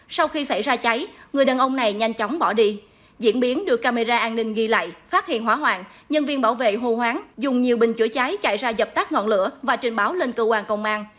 sau khi xảy ra cháy người đàn ông này nhanh chóng bỏ đi diễn biến được camera an ninh ghi lại phát hiện hỏa hoạn nhân viên bảo vệ hô hoáng dùng nhiều bình chữa cháy chạy ra dập tắt ngọn lửa và trình báo lên cơ quan công an